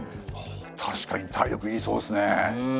確かに体力いりそうですね。